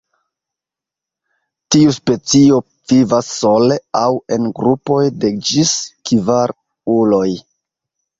Tiu specio vivas sole aŭ en grupoj de ĝis kvar uloj.